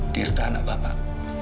tirta anak bapak